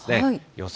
予想